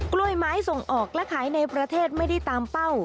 กล้วยไม้ส่งออกและขายในประเทศไม่ได้ตามเป้า